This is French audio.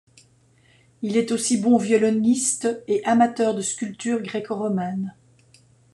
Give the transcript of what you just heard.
Il est aussi bon violoniste et amateur de sculptures gréco-romaines.